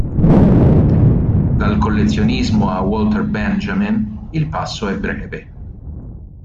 Dal collezionismo a Walter Benjamin il passo è breve.